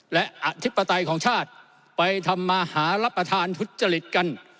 และอธิปไตยของชาติไปทำมาหารับประทานทุจริตกัน